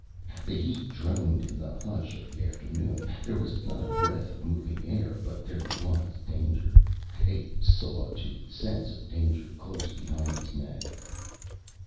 The heat droned in the hush of afternoon. There was not a breath of moving air. But there was danger a saw toothed sense of danger close behind his neck.